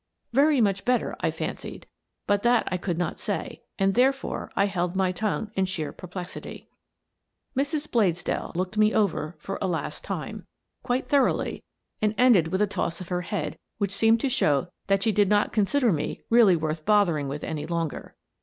Very much better, I fancied, but that I could not say, and, therefore, I held my tongue in sheer per plexity. Mrs. Bladesdell looked me over for a last time, I Meet Mrs. Maria Bladesdell 205 quite thoroughly, and ended with a toss of her head, which seemed to show that she did not consider me really worth bothering with any longer.